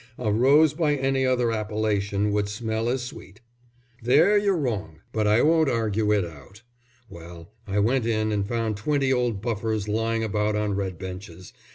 "A rose by any other appellation would smell as sweet." "There you're wrong, but I won't argue it out. Well, I went in and found twenty old buffers lying about on red benches.